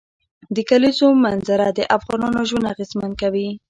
د کلیزو منظره د افغانانو ژوند اغېزمن کوي.